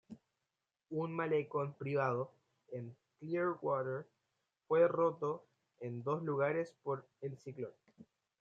Un malecón privado en Clearwater, fue roto en dos lugares por el ciclón.